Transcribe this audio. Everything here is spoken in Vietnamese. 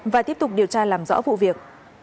và tiếp tục điều tra làm rõ vụ việc